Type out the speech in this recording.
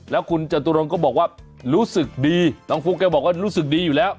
แล้วคุณจตุรงก็บอกว่ารู้สึกดีน้องฟุ๊กแกบอกว่ารู้สึกดีอยู่แล้ว